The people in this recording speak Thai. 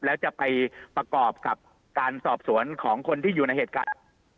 แล้วจะไปประกอบกับการสอบสวนของคนที่อยู่ในเหตุการณ์